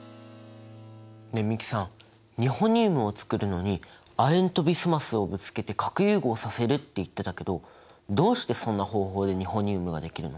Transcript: ねえ美樹さんニホニウムを作るのに亜鉛とビスマスをぶつけて核融合させるって言ってたけどどうしてそんな方法でニホニウムが出来るの？